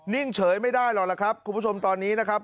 เฉยไม่ได้หรอกล่ะครับคุณผู้ชมตอนนี้นะครับ